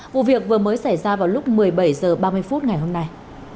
vụ việc vừa mới xảy ra vào lúc một mươi bảy h ba mươi phút ngày hôm nay